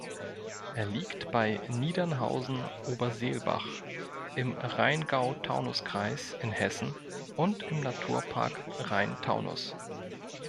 Er liegt bei Niedernhausen-Oberseelbach im Rheingau-Taunus-Kreis in Hessen und im Naturpark Rhein-Taunus.